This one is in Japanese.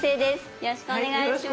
よろしくお願いします。